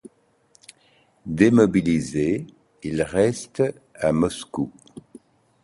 Démobilisé il reste à Moscou.